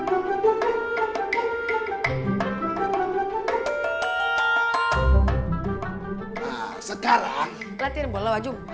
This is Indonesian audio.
sekarang latihan bola wajum